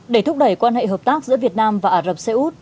để thúc đẩy quan hệ hợp tác giữa việt nam và ả rập xê út